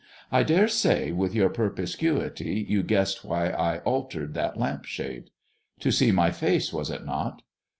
I dare say, with your perspicuity, you guessed why I altered that lamp shade." " To see my face, was it not